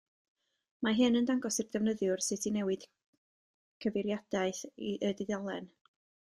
Mae hyn yn dangos i'r defnyddiwr sut i newid cyfeiriadaeth y dudalen.